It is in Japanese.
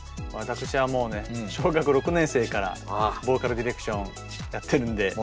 私はもうね小学６年生からボーカルディレクションやってるんで。